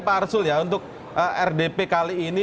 pak arsul ya untuk rdp kali ini